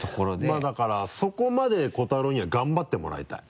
まぁだからそこまで瑚太郎には頑張ってもらいたい。